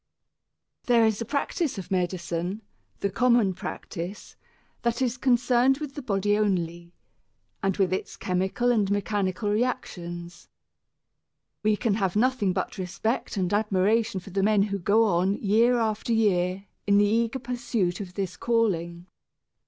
There is a practice of medicine the common practice that is concerned with the body only, and with its chemical and mechanical reactions. We can have nothing but respect and admiration for the men who go on year after year in the eager pursuit of this calling.